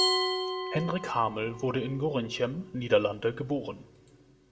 Hendrick Hamel wurde in Gorinchem, Niederlande, geboren.